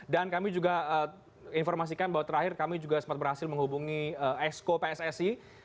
dan kami juga informasikan bahwa terakhir kami juga sempat berhasil menghubungi esko pssi